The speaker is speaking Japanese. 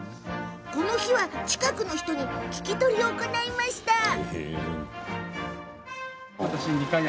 この日は、近くの人に聞き取りを行いました。